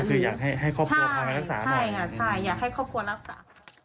คืออยากให้ครอบครัวทำรักษาหน่อยใช่อยากให้ครอบครัวรักษา